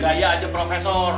begaya aja profesor